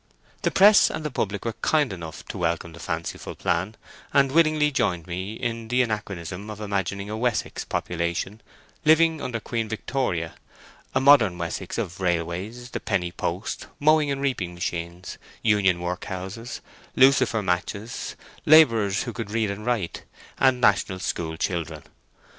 The press and the public were kind enough to welcome the fanciful plan, and willingly joined me in the anachronism of imagining a Wessex population living under Queen Victoria;—a modern Wessex of railways, the penny post, mowing and reaping machines, union workhouses, lucifer matches, labourers who could read and write, and National school children.